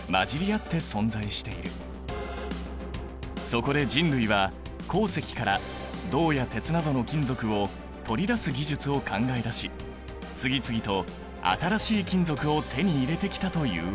そこで人類は鉱石から銅や鉄などの金属を取り出す技術を考え出し次々と新しい金属を手に入れてきたというわけだ。